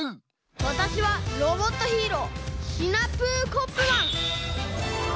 わたしはロボットヒーローシナプーコップマン！